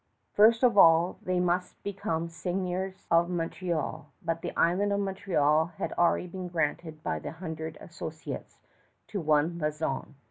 First of all, they must become Seigneurs of Montreal; but the island of Montreal had already been granted by the Hundred Associates to one Lauson.